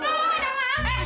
ya adam satu